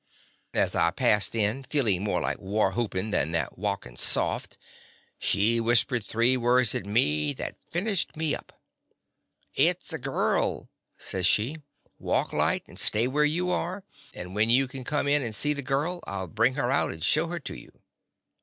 As I passed in, feelin' more like war whoopin' than like walkin' soft, she whispered three words at me that finished me up. "It 's a girl," says she. '"Walk light, and stay where you are, and when you can come in and see the girl, I '11 bring her out and show her to you."